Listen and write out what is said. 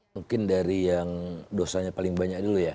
mungkin dari yang dosanya paling banyak dulu ya